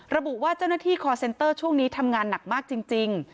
ระบุว่าเจ้าหน้าที่คอร์เซ็นเตอร์ช่วงนี้ทำงานหนักมากจริง